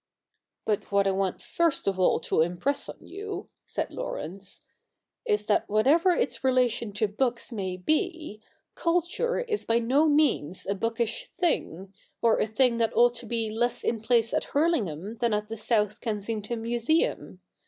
' But what I want first of all to impress on you,' said Laurence, ' is that whatever its relation to books may be, culture is by no means a bookish thing, or a thing that ought to be less in place at Hurlingham than at the South Kensington Museum.